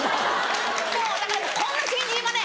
そうだからこんな新人はね